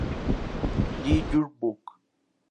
Lee Yur-Bok.